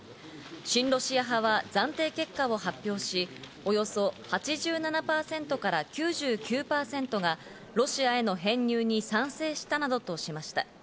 親ロシア派は暫定結果を発表し、およそ８７％から９９％がロシアへの編入に賛成しているなどとしました。